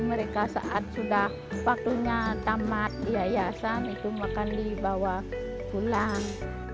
mereka saat sudah waktunya tamat yayasan itu makan dibawa pulang